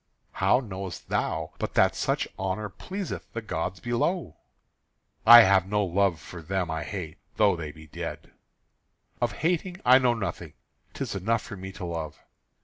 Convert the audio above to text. "How knowest thou but that such honour pleaseth the gods below?" "I have no love for them I hate, though they be dead." "Of hating I know nothing: 'tis enough for me to love."